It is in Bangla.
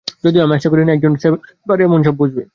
যদিও আমি আশা করিনা একজন সানিভেইলার এসব বুঝবে।